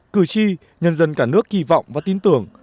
cử tri nhân dân cả nước kỳ vọng và tin tưởng